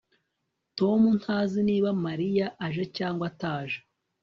Tom ntazi niba Mariya aje cyangwa ataje